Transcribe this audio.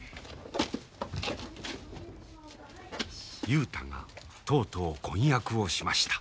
雄太がとうとう婚約をしました。